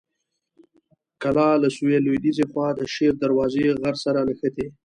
کلا له سویل لویديځې خوا د شیر دروازې غر سره نښتې.